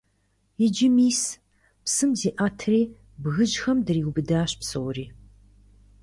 Иджы, мис, псым зиӀэтри, бгыжьхэм дриубыдащ псори.